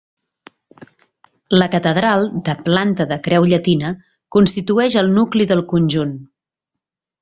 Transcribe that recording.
La catedral, de planta de creu llatina, constitueix el nucli del conjunt.